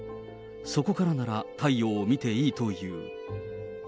そこからなら太陽を見ていいという。